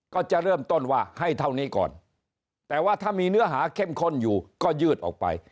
ก็จะเริ่มต้นว่าให้เท่านี้ก่อนแต่ว่าถ้ามีเนื้อหาเข้มข้นอยู่ก็ยืดออกไป